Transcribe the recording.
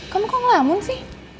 kamu kok ngelamun sih